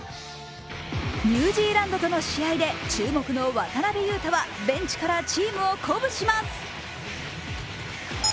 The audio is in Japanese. ニュージーランドとの試合で注目の渡邊雄太はベンチからチームを鼓舞します。